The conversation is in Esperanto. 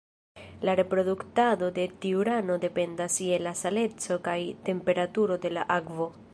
La reproduktado de tiu rano dependas je la saleco kaj temperaturo de la akvo.